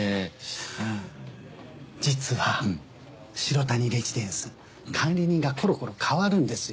実は城谷レジデンス管理人がコロコロ変わるんですよ。